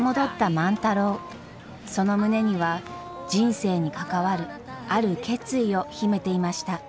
その胸には人生に関わるある決意を秘めていました。